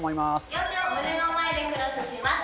両手を胸の前でクロスします。